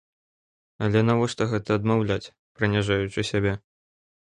Але навошта гэта адмаўляць, прыніжаючы сябе?